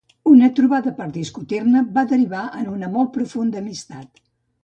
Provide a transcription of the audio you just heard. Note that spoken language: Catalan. Una trobada per discutir-ne va derivar en una molt profunda amistat.